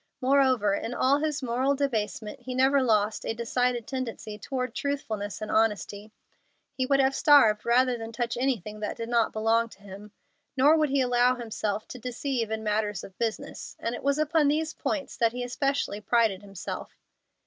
Moreover, in all his moral debasement he never lost a decided tendency toward truthfulness and honesty. He would have starved rather than touch anything that did not belong to him, nor would he allow himself to deceive in matters of business, and it was upon these points that he specially prided himself.